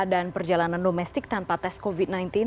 dan perjalanan domestik tanpa tes covid sembilan belas